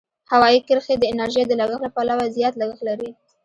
هوایي کرښې د انرژۍ د لګښت له پلوه زیات لګښت لري.